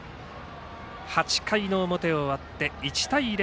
８回の表を終わって１対０。